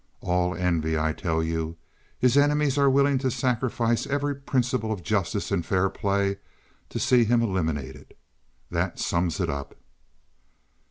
All envy, I tell you. His enemies are willing to sacrifice every principle of justice and fair play to see him eliminated. That sums it up.